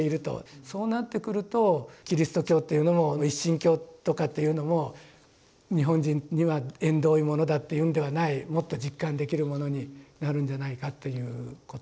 そうなってくるとキリスト教というのも一神教とかっていうのも日本人には縁遠いものだっていうんではないもっと実感できるものになるんじゃないかということを。